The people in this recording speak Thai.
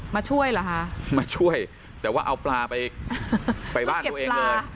มาช่วยเหรอคะมาช่วยแต่ว่าเอาปลาไปไปบ้านตัวเองเลย